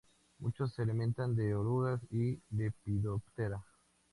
Muchos se alimentan de orugas de Lepidoptera.